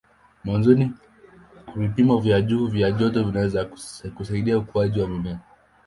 Mwanzoni vipimo vya juu vya joto vinaweza kusaidia ukuaji wa mimea.